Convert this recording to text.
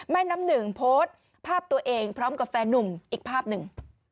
แม่น้ำหนึ่งโพสต์ภาพตัวเองพร้อมกับแฟนนุ่มอีกภาพหนึ่ง